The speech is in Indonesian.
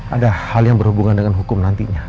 ada hal yang berhubungan dengan hukum nantinya